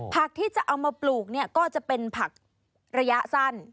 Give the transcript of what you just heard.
ที่จะเอามาปลูกเนี่ยก็จะเป็นผักระยะสั้น